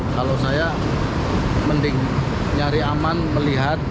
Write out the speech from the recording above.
kalau saya mending nyari aman melihat